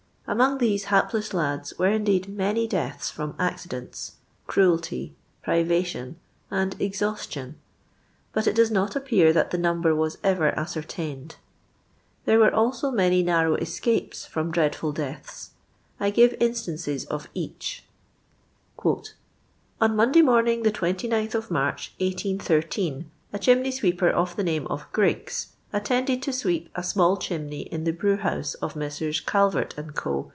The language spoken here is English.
Among these hapless lads were indeed many deaths from accidents, cruelty, pri\'ation, and ex haostiou, but it does not appear that the number was ever ascertained. Tbere were also many narrow escapes from dreadful deaths. I give in stances of each : "On Monday morning, tho 20ih of March, 1S13, a chimney sweeper of the name of Griggs, attended to sweep a small chimney in the brew house of Messrs. Calvert and Co.